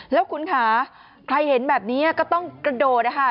แล้วคุณค่ะใครเห็นแบบนี้ก็ต้องกระโดดนะคะ